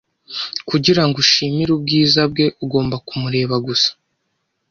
Kugira ngo ushimire ubwiza bwe, ugomba kumureba gusa.